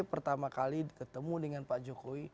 pertama kali ketemu dengan pak jokowi